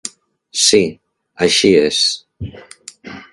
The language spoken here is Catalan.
Sí, així és.